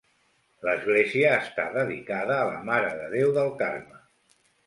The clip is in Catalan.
L'església està dedicada a la Mare de Déu del Carme.